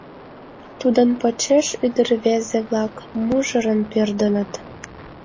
Тудын почеш ӱдыр-рвезе-влак мужырын пӧрдыныт.